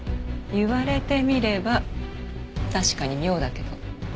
言われてみれば確かに妙だけど。